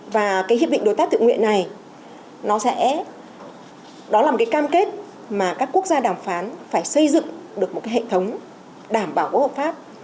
và hiệp định đối tác tự nguyện này nó sẽ đó là một cam kết mà các quốc gia đàm phán phải xây dựng được một hệ thống đảm bảo của hợp pháp